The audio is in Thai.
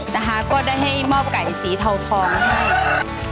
นะคะก็ได้ให้มอบไก่สีเทาทองให้ค่ะ